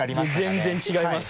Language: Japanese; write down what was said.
全然違います。